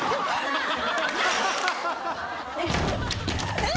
えっ？